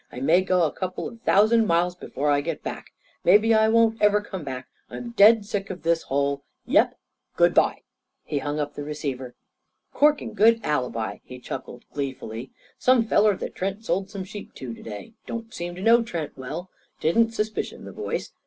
I may go a couple of thousand miles before I get back. Maybe I won't ever come back. I'm dead sick of this hole. Yep. Good bye." He hung up the receiver. "Corking good alibi!" he chuckled gleefully. "Some feller that Trent sold some sheep to to day. Don't seem to know Trent well. Didn't suspicion the voice.